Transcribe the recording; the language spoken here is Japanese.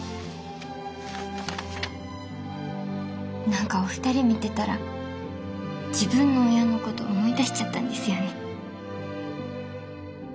何かお二人見てたら自分の親のこと思い出しちゃったんですよね。